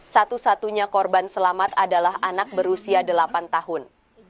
satu satunya korban selamat adalah anak berusia delapan tahun